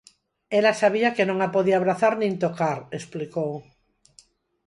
Ela sabía que non a podía abrazar nin tocar, explicou.